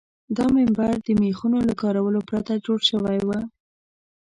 دا منبر د میخونو له کارولو پرته جوړ شوی و.